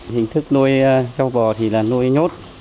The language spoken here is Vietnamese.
hình thức nuôi trâu bò là nuôi nhốt